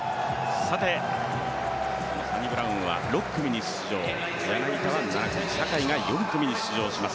そのサニブラウンは６組に出場、柳田が７組、坂井が４組に出場します